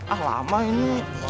ah lama ini